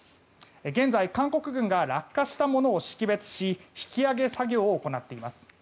現在、韓国軍が落下したものを識別し引き揚げ作業を行っています。